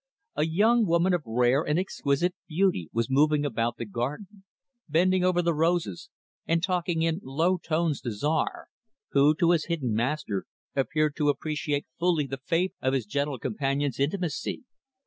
A young woman of rare and exquisite beauty was moving about the garden bending over the roses, and talking in low tones to Czar, who to his hidden master appeared to appreciate fully the favor of his gentle companion's intimacy.